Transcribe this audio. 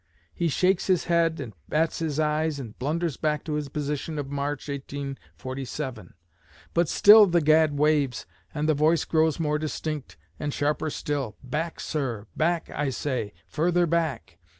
He shakes his head and bats his eyes and blunders back to his position of March, 1847. But still the gad waves, and the voice grows more distinct and sharper still, 'Back, sir! Back, I say! Further back!'